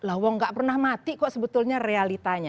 lah wong nggak pernah mati kok sebetulnya realitanya